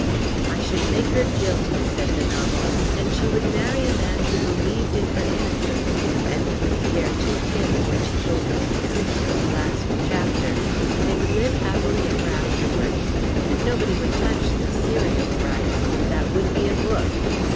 "I should make her guilty," said the novelist; "and she would marry a man who believed in her innocence, and he wouldn't care two pins when she told him the truth in the last chapter, and they would live happily ever afterwards. Nobody would touch the serial rights. But that would be a book!"